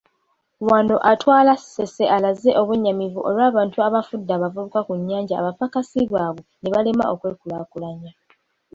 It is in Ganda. Wano atwala Ssese alaze obwennyamivu olw'abantu abafudde abavubuka ku Nnyanja abapakasi baabwe nebalemwa okwekulaakulanya.